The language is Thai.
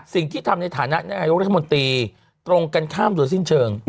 สิ่งที่ทำในฐานะนายกรัฐมนตรีตรงกันข้ามโดยสิ้นเชิง